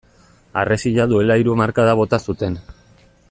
Harresia duela hiru hamarkada bota zuten.